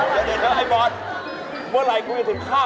น้ำคอมกินปลาหนึ่งคำ